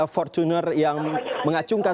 fortuner yang mengacungkan